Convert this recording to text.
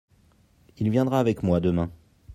Il viendra avec moi demain.